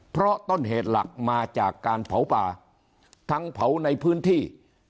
เพราะต้นเหตุหลักมาจากการเผาป่าทั้งเผาในพื้นที่